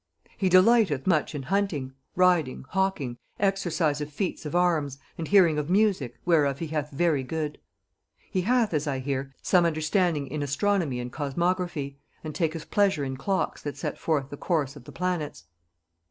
He delighteth much in hunting, riding, hawking, exercise of feats of arms, and hearing of music, whereof he hath very good. He hath, as I hear, some understanding in astronomy and cosmography, and taketh pleasure in clocks that set forth the course of the planets.